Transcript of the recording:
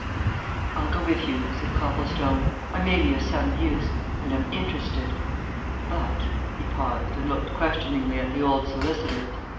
"I'll go with you," said Copplestone. "I may be of some use and I'm interested. But," he paused and looked questioningly at the old solicitor.